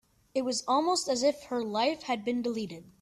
It was almost as if her life had been deleted.